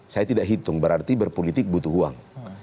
saya tidak hitung berarti berpolitik butuh uang